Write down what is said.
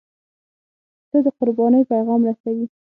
پسه د قربانۍ پیغام رسوي.